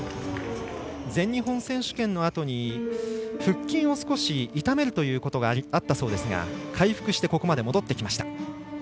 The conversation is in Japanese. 全日本選手権のあとに腹筋を少し痛めるということがあったそうですが回復してここまで戻ってきました。